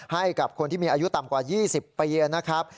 ให้กับคนที่มีอายุต่ำกว่า๒๐ปีนะครับ